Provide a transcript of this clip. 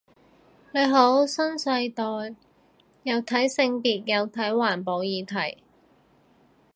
你好新世代，又睇性別又睇環保議題